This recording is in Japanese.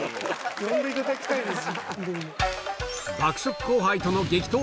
呼んでいただきたいです。